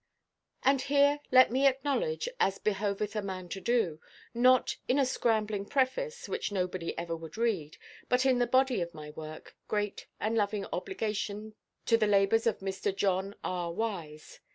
And here let me acknowledge, as behoveth a man to do, not in a scambling preface, which nobody ever would read, but in the body of my work, great and loving obligation to the labours of Mr. John R. Wise.